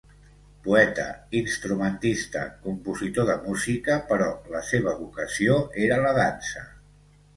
Poeta, instrumentista, compositor de música, però la seva vocació era la dansa.